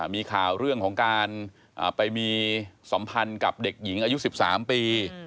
มีข่าวเรื่องของการไปมีสัมพันธ์กับเด็กหญิงอายุ๑๓ปี